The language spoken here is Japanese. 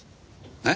えっ？